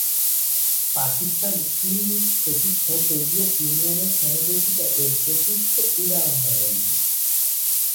Pakistan steel mills প্রতিষ্ঠায় Soviet ইউনিয়নের সহযোগিতা এর প্রকৃষ্ট উদাহরণ।